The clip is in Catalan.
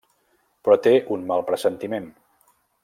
Però té un mal pressentiment.